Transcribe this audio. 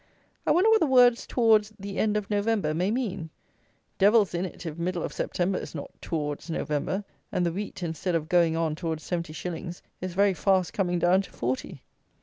I wonder what the words towards the "end of November," may mean. Devil's in't if middle of September is not "towards November;" and the wheat, instead of going on towards seventy shillings, is very fast coming down to forty.